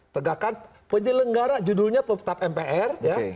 tegakkan penyelenggara judulnya tetap mpr ya